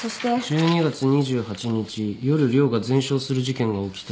１２月２８日夜寮が全焼する事件が起きた。